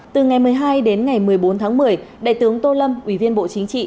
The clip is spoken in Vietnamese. từ ngày một mươi hai đến ngày một mươi bốn tháng một mươi đại tướng tô lâm ủy viên bộ chính trị